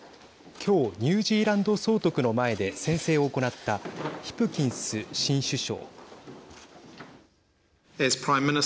今日ニュージーランド総督の前で宣誓を行ったヒプキンス新首相。